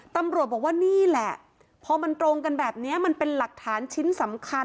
ตำรวจบอกว่านี่แหละพอมันตรงกันแบบนี้มันเป็นหลักฐานชิ้นสำคัญ